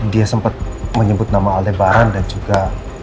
dia sempat menyebut nama allebaran dan juga